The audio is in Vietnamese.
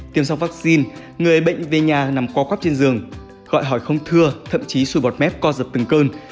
tiêm xong vắc xin người ấy bệnh về nhà nằm co cóp trên giường gọi hỏi không thưa thậm chí sùi bọt mép co dập từng cơn